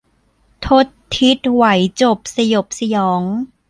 ทศทิศไหวจบสยบสยอง